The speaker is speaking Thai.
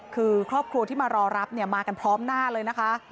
คือครอบครัวที่มารอปรับมากันพร้อมหน้าเลย